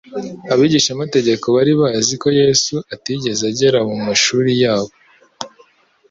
Abigishamategeko bari bazi ko Yesu atigeze agera mu mashuri yabo,